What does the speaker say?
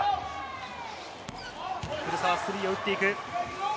古澤がスリーを打っていく。